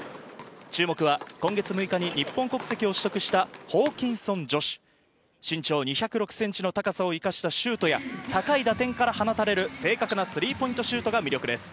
注目は今月６日に日本国籍を取得したホーキンソン・ジョシュ、身長２０６センチの高さを生かしたシュートや高い打点から放たれる正確なスリーポイントシュートが魅力です。